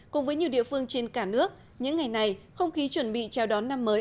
cùng với nhiều địa phương trên cả nước những ngày này không khí chuẩn bị chào đón năm mới